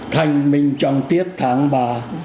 thanh minh trong tiết tháng ba